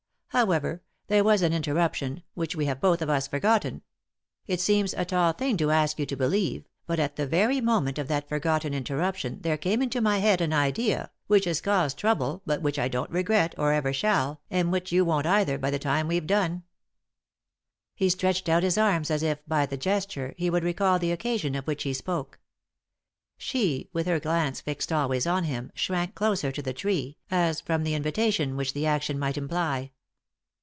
However, there was an inter ruption, which we have both of us forgotten ; it seems a tall thing to ask you to believe, but at the very moment of that forgotten interruption there came into my head an idea, which has caused trouble, but which I don't regret, or ever shall, and which you won't either, by the time we've done." He stretched out his arms as if, by the gesture, he would recall the occasion of which he spoke. She, with her glance fixed always on him, shrank closer to the tree, as from the invitation which the action might imply.